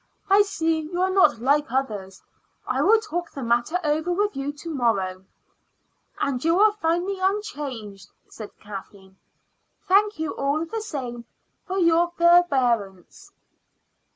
"I see you are not like others. I will talk the matter over with you to morrow." "And you will find me unchanged," said Kathleen. "Thank you, all the same, for your forbearance."